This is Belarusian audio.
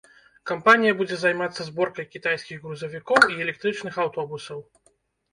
Кампанія будзе займацца зборкай кітайскіх грузавікоў і электрычных аўтобусаў.